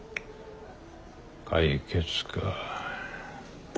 解決か。